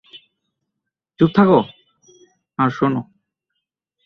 চুপ থাকো আর শোনো।